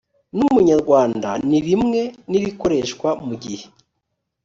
n umunyarwanda ni rimwe n irikoreshwa mu gihe